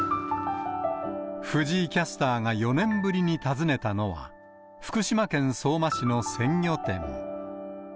藤井キャスターが４年ぶりに訪ねたのは、福島県相馬市の鮮魚店。